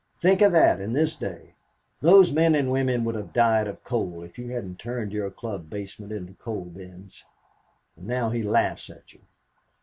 Think of that in this day! Those men and women would have died of cold if you hadn't turned your club basement into coal bins. And now he laughs at you."